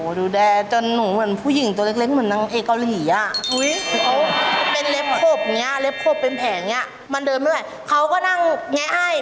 โหดูแลจนหูหูฝันผู้หญิงตัวเล็กเหมือนนางเอเกาหลี